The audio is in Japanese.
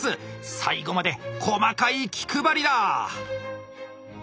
最後まで細かい気配りだ！